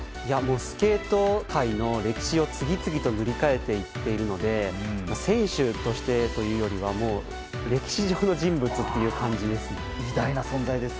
スケート界の歴史を次々と塗り替えていっているので選手としてというよりは歴史上の人物という感じです。